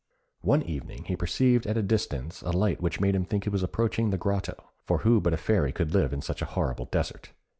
One evening, he perceived at a distance a light which made him think he was approaching the grotto; for who but a fairy could live in such a horrible desert.